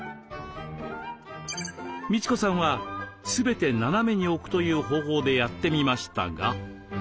みち子さんは全て斜めに置くという方法でやってみましたが。